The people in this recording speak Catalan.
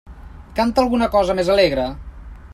Canta alguna cosa més alegre.